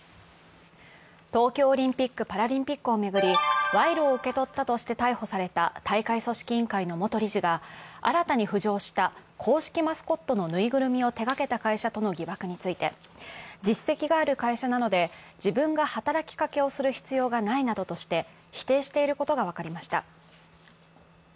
東京オリンピック・パラリンピックを巡り、賄賂を受け取ったとして逮捕された大会組織委員会の元理事が、新たに浮上した公式マスコットのぬいぐるみを手がけた会社との疑惑について、実績がある会社なので、自分が働きかけをする必要がないなどとして、否定していることが分かりました。